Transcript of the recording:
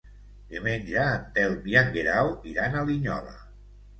Diumenge en Telm i en Guerau iran a Linyola.